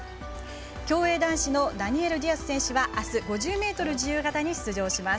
競泳男子のダニエル・ディアス選手はあす５０ｍ自由形に出場します。